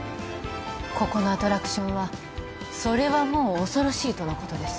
ここのアトラクションはそれはもう恐ろしいとのことです